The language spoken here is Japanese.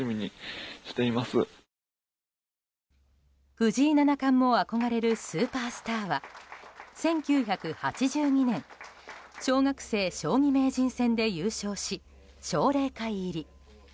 藤井七冠も憧れるスーパースターは１９８２年小学生将棋名人戦で優勝し奨励会入り。